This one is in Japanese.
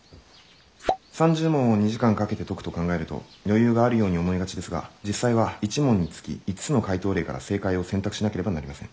「３０問を２時間かけて解くと考えると余裕があるように思いがちですが実際は１問につき５つの解答例から正解を洗濯しなければなりません。